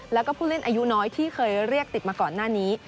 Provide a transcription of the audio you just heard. แล้วก็ผู้เล่นอายุน้อยที่เคยเรียกติดมาก่อนหน้านี้